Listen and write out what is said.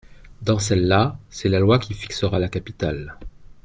Dans celle-là, c’est la loi qui fixera la capitale.